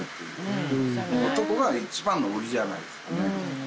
とこが一番の売りじゃないですかね。